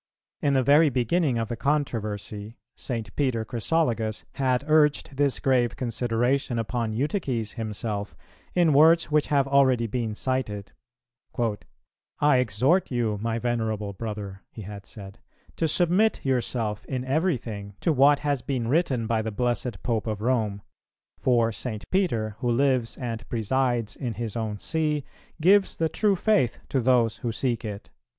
In the very beginning of the controversy, St. Peter Chrysologus had urged this grave consideration upon Eutyches himself, in words which have already been cited: "I exhort you, my venerable brother," he had said, "to submit yourself in everything to what has been written by the blessed Pope of Rome; for St. Peter, who lives and presides in his own See, gives the true faith to those who seek it."